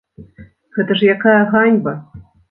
Гэта ж якая ганьба.